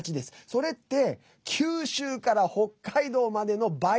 それって九州から北海道までの倍。